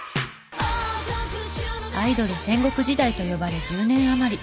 アイドル戦国時代と呼ばれ１０年余り。